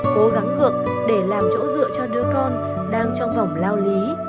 cố gắng ngựa để làm chỗ dựa cho đứa con đang trong vòng lao lý